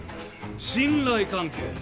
信頼関係。